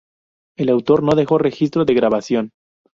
El autor no dejó registro de grabación.